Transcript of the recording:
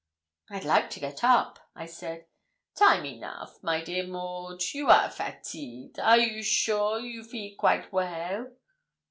'I'd like to get up,' I said. 'Time enough, my dear Maud; you are fatigued; are you sure you feel quite well?'